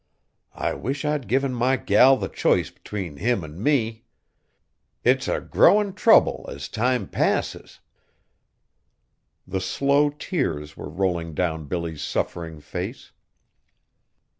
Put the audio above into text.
I wish I'd given my gal the choice 'tween him an' me! It's a growin' trouble as time passes." The slow tears were rolling down Billy's suffering face.